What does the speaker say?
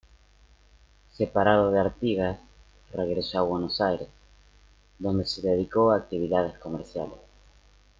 Separado de Artigas, regresó a Buenos Aires, donde se dedicó a actividades comerciales.